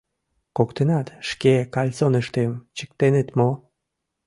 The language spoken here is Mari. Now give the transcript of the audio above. — Коктынат шке кальсоныштым чиктеныт мо?